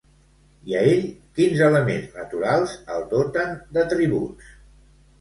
I a ell, quins elements naturals el doten d'atributs?